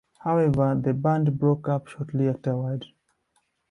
However, the band broke up shortly afterward.